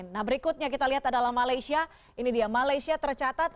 nah berikutnya kita lihat adalah malaysia ini dia malaysia tercatat